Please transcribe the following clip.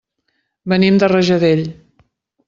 Venim de Rajadell.